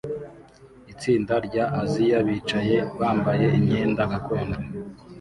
Itsinda rya Aziya bicaye bambaye imyenda gakondo